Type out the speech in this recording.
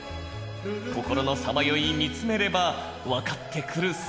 心のさまよい見つめれば分かってくるさ